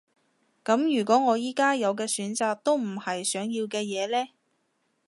噉如果我而家有嘅選擇都唔係想要嘅嘢呢？